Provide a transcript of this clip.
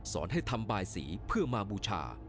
ให้ทำบายสีเพื่อมาบูชา